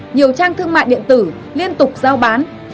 nhiều trang thương mại điện tử liên tục giao bán